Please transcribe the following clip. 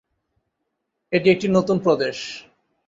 এটি একটি নতুন প্রদেশ।